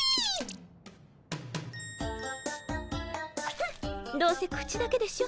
フンどうせ口だけでしょ。